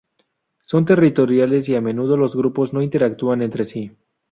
Son territoriales y a menudo los grupos no interactúan entre sí.